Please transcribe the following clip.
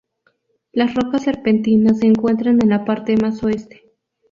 Las rocas serpentinas se encuentran en la parte más oeste.